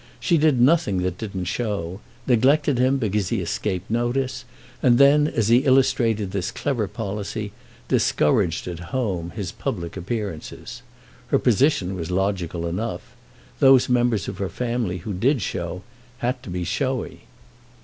She did nothing that didn't show, neglected him because he escaped notice, and then, as he illustrated this clever policy, discouraged at home his public appearances. Her position was logical enough—those members of her family who did show had to be showy.